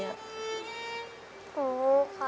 หนูรู้ครับ